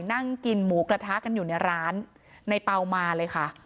นั่งกินหมูกระทะกันอยู่ในร้านในเปล่ามาเลยค่ะ